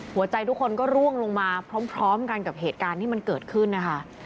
หัวใจทุกคนก็ร่วงลงมาพร้อมกันกับเหตุการณ์ที่มันเกิดขึ้นนะคะ